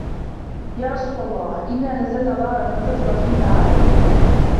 يَا رَسُولَ اللَّهِ إنَّا نَزَلْنَا دَارًا فَكَثُرَ فِيهَا عَدَدُنَا